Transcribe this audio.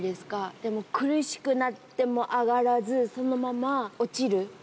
でも苦しくなっても上がらず、そのまま落ちる。